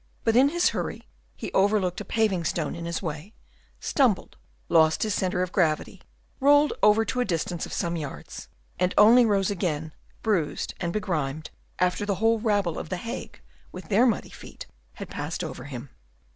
But in his hurry he overlooked a paving stone in his way, stumbled, lost his centre of gravity, rolled over to a distance of some yards, and only rose again, bruised and begrimed, after the whole rabble of the Hague, with their muddy feet, had passed over him.